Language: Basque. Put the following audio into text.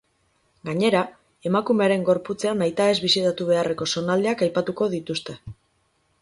Gainera, emakumearen gorputzean nahitaez bisitatu beharreko zonaldeak aipatuko dituzte.